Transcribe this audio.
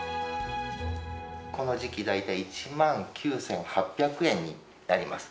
この時期、大体１万９８００円になります。